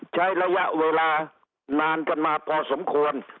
ใช้ระยะเวลานานกันมาพอสมควร